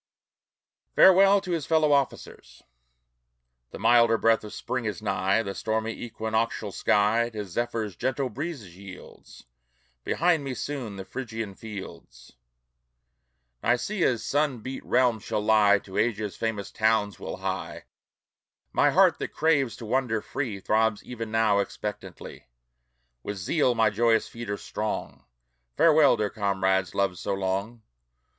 FAREWELL TO HIS FELLOW OFFICERS The milder breath of Spring is nigh; The stormy equinoctial sky To Zephyr's gentle breezes yields. Behind me soon the Phrygian fields, Nicæa's sun beat realm, shall lie. To Asia's famous towns we'll hie. My heart, that craves to wander free, Throbs even now expectantly. With zeal my joyous feet are strong; Farewell, dear comrades, loved so long!